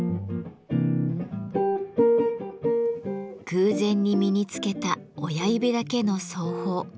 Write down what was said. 偶然に身につけた親指だけの奏法。